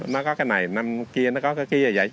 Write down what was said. nó có cái này năm kia nó có cái kia vậy